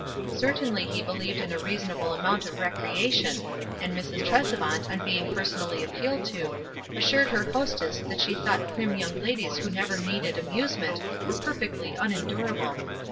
Certainly he believed in a reasonable amount of recreation ; and Mrs. Tresevant, on beiug per sonally appealed to, assured her hostess that she thought prim young ladies who never needed amusement were perfectly unendurable.